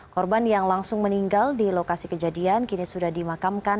korban yang langsung meninggal di lokasi kejadian kini sudah dimakamkan